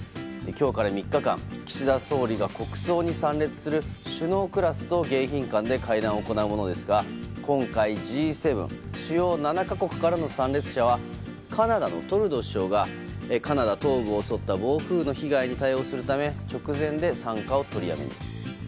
今日から３日間岸田総理が国葬に参列する首脳クラスと迎賓館で会談を行うものですが今回、Ｇ７・主要７か国からの参列者はカナダのトルドー首相がカナダ東部を襲った暴風の被害の影響で直前で参加を取りやめに。